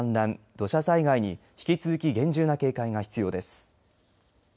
土砂災害に引き続き厳重な警戒が必要です。